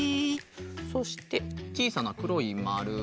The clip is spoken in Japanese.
そしてちいさなくろいまる。